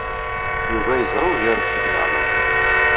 Yuba yeẓra ugareɣ-t deg leɛmeṛ.